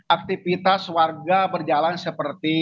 aktivitas warga berjalan seperti